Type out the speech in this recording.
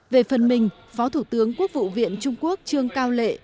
về phần mình phó thủ tướng quốc vụ viện trung quốc trương cao lệ